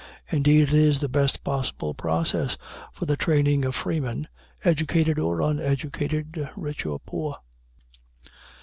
Indeed, it is the best possible process for the training of freemen, educated or uneducated, rich or poor.